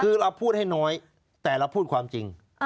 คือเราพูดให้น้อยแต่เราพูดความจริง